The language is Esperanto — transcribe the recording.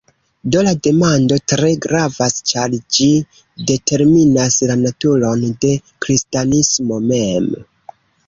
Do la demando tre gravas ĉar ĝi determinas la naturon de kristanismo mem.